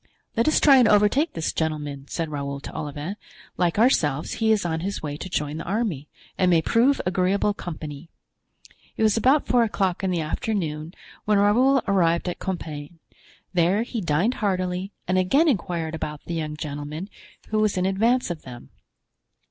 "Let us try and overtake this gentleman," said Raoul to Olivain; "like ourselves he is on his way to join the army and may prove agreeable company." It was about four o'clock in the afternoon when Raoul arrived at Compiegne; there he dined heartily and again inquired about the young gentleman who was in advance of them.